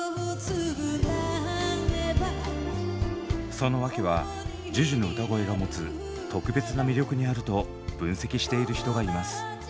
その訳はＪＵＪＵの歌声がもつ特別な魅力にあると分析している人がいます。